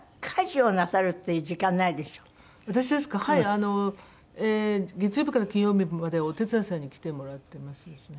あの月曜日から金曜日までお手伝いさんに来てもらってましてですね。